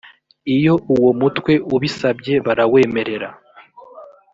iyo uwo mutwe ubisabye barawemerera